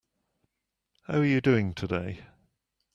How are you doing today?